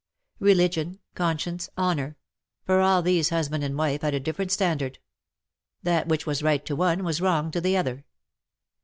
Religion, conscience. honour — for all tliese husband and wife had a different standard. That which was right to one was wrong to the other.